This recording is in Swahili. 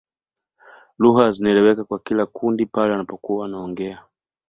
Lugha zinaeleweka na kila kundi pale wanapokuwa wanaongea